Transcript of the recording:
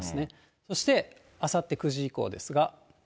そしてあさって９時以降ですが。